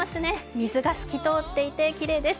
水が透き通っていてきれいです。